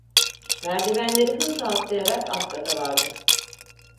Merdivenleri hızla atlayarak alt kata vardı.